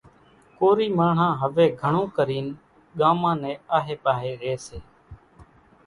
ڪورِي ماڻۿان هويَ گھڻون ڪرينَ ڳامان نيَ آۿيَ ريئيَ سي۔